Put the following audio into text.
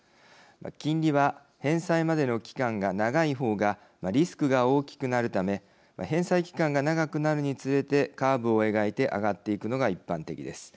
金利は返済までの期間が長い方がリスクが大きくなるため返済期間が長くなるにつれてカーブを描いて上がっていくのが一般的です。